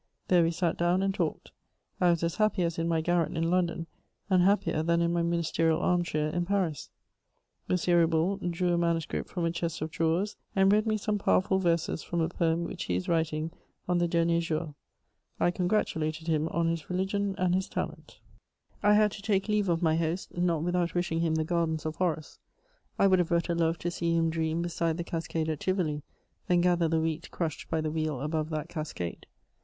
There we sat down and talked. I was as happy as in my garret in London, and happier than in my ministerial armchair in Paris. M. Reboul drew a manuscript from a chest of drawers, and read me some powerful verses from a poem which he is writing on the Dernier Jour. I congratulated him on his religion and his talent. I had to take leave of my host, not without wishing him the gardens of Horace. I would have better loved to see him dream beside the Cascade at Tivoli than gather the wheat crushed by the wheel above that cascade.